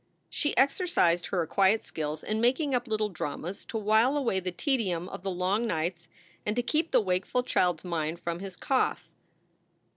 She exercised her acquired skill in making up little dramas to while away the tedium of the long nights and to keep the wakeful child s mind from his cough.